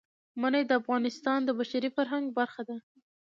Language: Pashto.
منی د افغانستان د بشري فرهنګ برخه ده.